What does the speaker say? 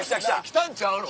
きたんちゃうの？